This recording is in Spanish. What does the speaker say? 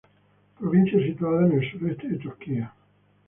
Provincia situada en el sureste de Turquía.